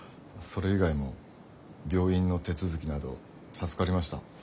それ以外も病院の手続きなど助かりました。